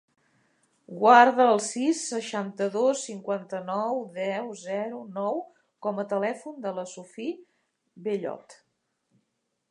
Guarda el sis, seixanta-dos, cinquanta-nou, deu, zero, nou com a telèfon de la Sophie Bellot.